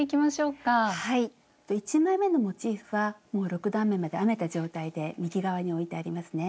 １枚めのモチーフはもう６段めまで編めた状態で右側に置いてありますね。